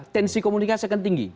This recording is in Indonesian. tensi komunikasi akan tinggi